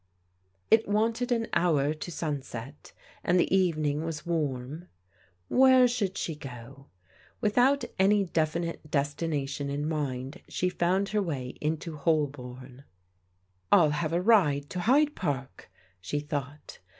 It wanted an hour to sunset, and the evening was warm. Where should she go ? Without any definite des 224 PRODIGAL DAUGHTERS tination in mind she f otind her way into Holbom, " Til have a ride to Hyde Park," she thought.